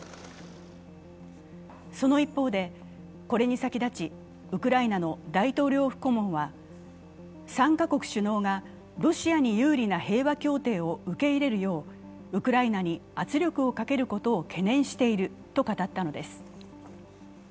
その一方で、これに先立ち、ウクライナの大統領府顧問は、３カ国首脳がロシアに有利な平和協定を受け入れるようウクライナに圧力をかけることを懸念していると語ったのです。